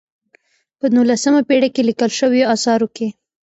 په نولسمه پېړۍ کې لیکل شویو آثارو کې.